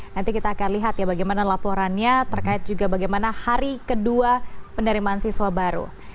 nanti kita akan lihat ya bagaimana laporannya terkait juga bagaimana hari kedua penerimaan siswa baru